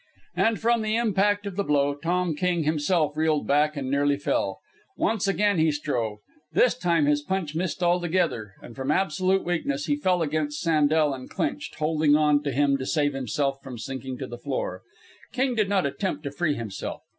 And, from the impact of the blow, Tom King himself reeled back and nearly fell. Once again he strove. This time his punch missed altogether, and, from absolute weakness, he fell against Sandel and clinched, holding on to him to save himself from sinking to the floor. King did not attempt to free himself.